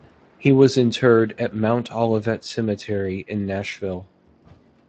He was interred at Mount Olivet Cemetery in Nashville.